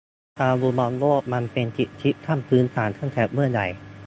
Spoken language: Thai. การดูบอลโลกมันเป็นสิทธิขั้นพื้นฐานตั้งแต่เมื่อไหร่